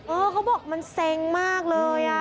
เขาบอกมันเซ็งมากเลย